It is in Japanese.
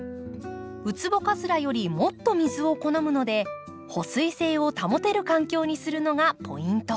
ウツボカズラよりもっと水を好むので保水性を保てる環境にするのがポイント。